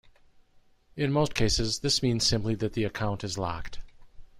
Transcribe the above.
In most cases, this means simply that the account is locked.